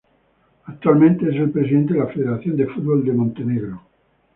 Actualmente es el presidente de la Federación de Fútbol de Montenegro.